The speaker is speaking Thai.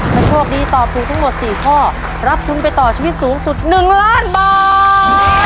ถ้าโชคดีตอบถูกทั้งหมด๔ข้อรับทุนไปต่อชีวิตสูงสุด๑ล้านบาท